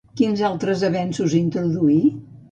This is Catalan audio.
Quins altres avenços introduí?